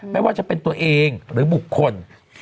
ไม่ว่าจะเป็นตัวเองหรือบุคคล